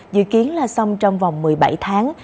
dự kiến là xong trong vòng một mươi bảy tháng